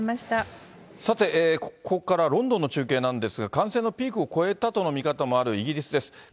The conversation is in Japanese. さて、ここからはロンドンの中継なんですが、感染のピークを越えたとの見方もあるイギリスです。